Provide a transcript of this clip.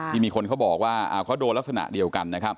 ที่มีคนเขาบอกว่าเขาโดนลักษณะเดียวกันนะครับ